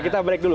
kita break dulu